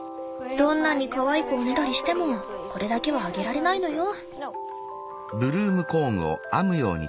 どんなにかわいくおねだりしてもこれだけはあげられないのよ。